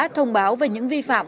thông báo về những vi phạm